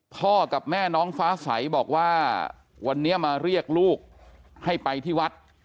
พ่อกับแม่น้องฟ้าใสบอกว่าวันนี้มาเรียกลูกให้ไปที่วัด